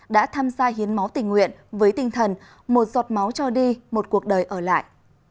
đã tham gia hiến máu tình nguyện với tinh thần một giọt máu cho đi một cuộc đời ở lại